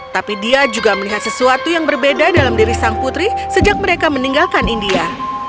tapi dia juga melihat sesuatu yang berbeda dalam diri sang putri sejak mereka meninggalkan india